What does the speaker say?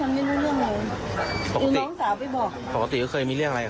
หรือน้องสาวไปบอกปกติก็เคยมีเรื่องอะไรกับ